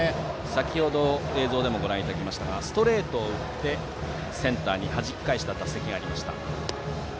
先程、映像でもご覧いただきましたがストレートを打ってセンターにはじき返した打席がありました。